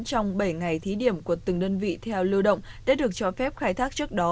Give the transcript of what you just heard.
trong bảy ngày thí điểm của từng đơn vị theo lưu động đã được cho phép khai thác trước đó